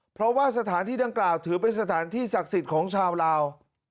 เพราะว่าสถานที่ดังกล่าวถือเป็นสถานที่ศักดิ์สิทธิ์ของชาวลาว